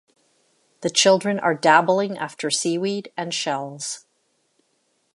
The children are dabbling after seaweed and shells.